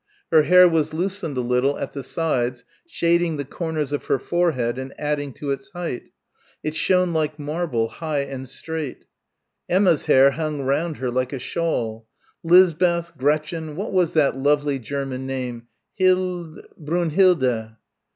Her hair was loosened a little at the sides, shading the corners of her forehead and adding to its height. It shone like marble, high and straight. Emma's hair hung round her like a shawl. 'Lisbeth, Gretchen ... what was that lovely German name ... hild ... Brunhilde....